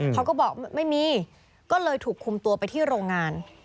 เขาก็บอกไม่มีก็เลยถูกคุมตัวไปที่โรงงาน